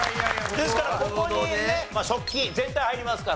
ですからここにね食器全体入りますから。